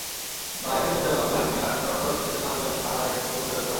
বায়েসের পরিচালক আবদুল হালিম মিয়া টরন্টোর শিশুদের মাতৃভাষা বাংলা শেখার প্রতি গুরুত্বারোপ করেন।